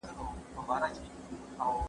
اقتصادي پرمختيا د ودي په پرتله پراخه مفهوم لري.